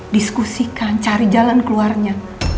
diskusikan cari jalan keluarnya